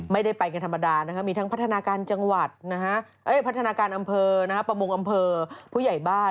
ไม่ได้ไปกันธรรมดามีทั้งพัฒนาการอำเภอประมวงอำเภอผู้ใหญ่บ้าน